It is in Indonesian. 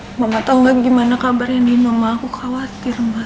hai mama tahu nggak gimana kabarnya nino mau khawatir mal